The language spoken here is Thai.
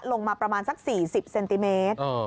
ลงมาประมาณสัก๔๐เซนติเมตร